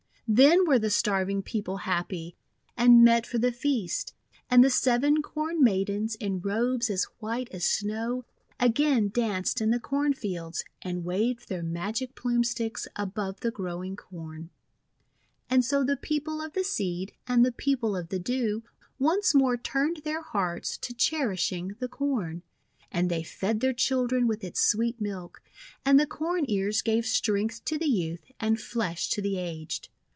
Then were the starving people happy, and met for the feast. And the Seven Corn Maidens, in robes as white as snow, again danced in the corn fields, and waved their magic Plume Sticks above the growing Corn. And so the People of the Seed and the People of the Dew once more turned their hearts to cherishing the Corn; and they fed their children with its sweet milk. And the Corn Ears gave strength to the youth and flesh to the aged.